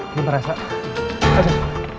terima kasih sus